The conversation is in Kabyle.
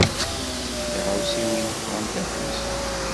Tiɣawsiwin ffɣent afus.